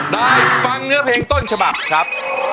ได้ฟังเนื้อเพลงต้นฉบับครับ